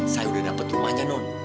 saya udah dapat rumahnya non